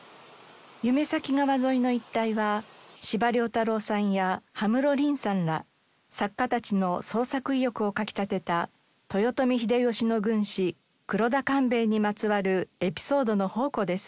夢前川沿いの一帯は司馬遼太郎さんや葉室麟さんら作家たちの創作意欲をかき立てた豊臣秀吉の軍師黒田官兵衛にまつわるエピソードの宝庫です。